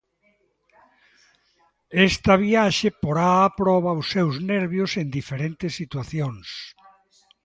Esta viaxe porá a proba os seus nervios en diferentes situacións.